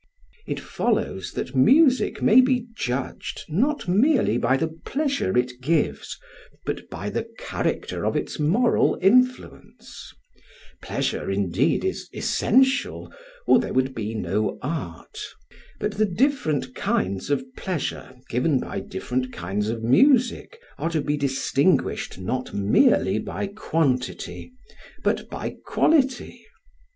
It follows that music may be judged not merely by the pleasure it gives, but by the character of its moral influence; pleasure, indeed, is essential or there would be no art; but the different kinds of pleasure given by different kinds of music are to be distinguished not merely by quantity, but by quality.